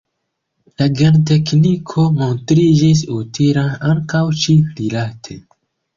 La gentekniko montriĝis utila ankaŭ ĉi-rilate.